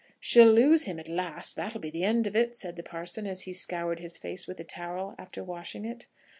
"She'll lose him at last; that'll be the end of it," said the parson, as he scoured his face with a towel after washing it.